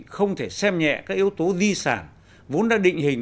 không thể xem nhẹ các yếu tố di sản vốn đã định hình